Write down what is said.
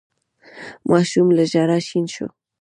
ماشوم له ژړا شين شو.